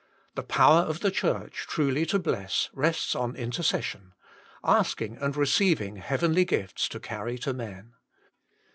The power of the Church truly to bless rests on intercession asking and receiving heavenly gifts to carry to men.